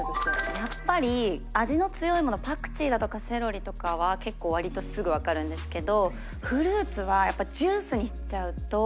やっぱり味の強いものパクチーだとかセロリとかは結構割とすぐわかるんですけど。